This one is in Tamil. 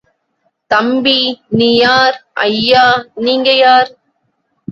தம்பி, நீ யார்? ஐயா, நீங்க யார்?